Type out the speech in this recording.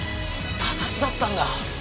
他殺だったんだ。